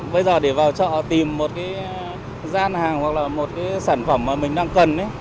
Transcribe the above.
bây giờ để vào chợ tìm một cái gian hàng hoặc là một cái sản phẩm mà mình đang cần